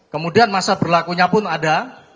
kemudian masa berlakunya pun ada